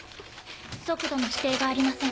速度の指定がありません。